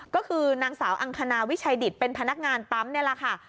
ก็คือนางสาวอังคณาวิชัยดิตเป็นพนักงานปั๊มนี่แหละค่ะ